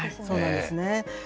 そうなんですね。